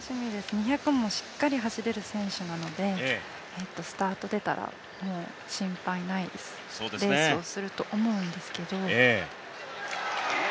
２００ｍもしっかり走れる選手なのでスタート出たら心配ないレースをすると思うんですけど。